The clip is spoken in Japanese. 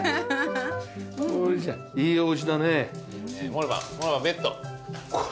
モルバンベッド。